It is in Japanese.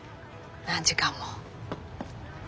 何時間も。